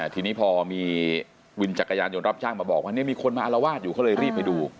ทีนี้พอมีวินจักรยานยนต์รับจ้างมาบอกว่าเนี่ยมีคนมาอารวาสอยู่เขาเลยรีบไปดู